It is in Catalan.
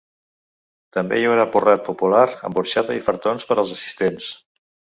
També hi haurà porrat popular amb orxata i fartons per als assistents.